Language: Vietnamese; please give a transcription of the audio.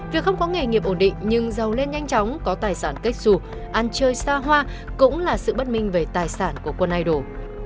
việc không có nghề nghiệp ổn định nhưng giàu lên nhanh chóng có tài sản cách sụp ăn chơi xa hoa cũng là sự bất minh về tài sản của quân idol